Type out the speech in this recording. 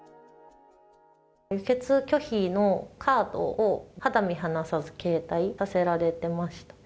輸血拒否のカードを、肌身離さず携帯させられてましたね。